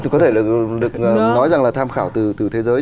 có thể được nói rằng là tham khảo từ thế giới